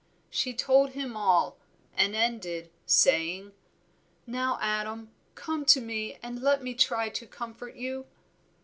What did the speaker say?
She told him all, and ended saying "Now, Adam, come to me and let me try to comfort you."